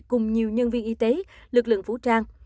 cùng nhiều nhân viên y tế lực lượng vũ trang